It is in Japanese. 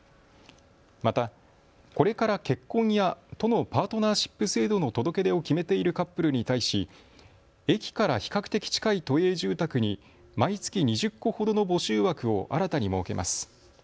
また、これから結婚や都のパートナーシップ制度の届け出を決めているカップルに対し、駅から比較的近い都営住宅に毎月２０戸ほどの募集枠を新たに設けます。